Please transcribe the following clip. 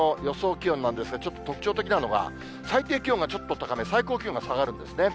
気温なんですが、ちょっと特徴的なのが、最低気温がちょっと高め、最高気温が下がるんですね。